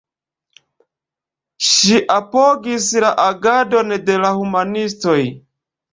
Ŝi apogis la agadon de la humanistoj.